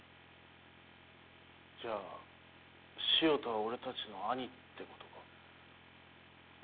じゃあ潮田は俺たちの兄ってことか。